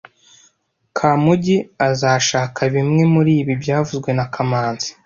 Kamugi azashaka bimwe muribi byavuzwe na kamanzi